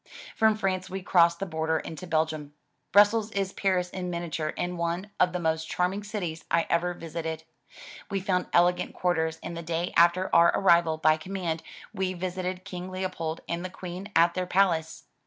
From France we crossed the border into Belgium. Brussels is Paris in miniature and one of the most charming cities I ever visited. We found elegant quarters, and the day after our arrival, by command we visited King Leopold and the Queen at their palace.